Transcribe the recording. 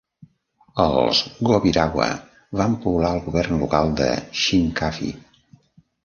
Els gobirawa van poblar el govern local de Shinkafi.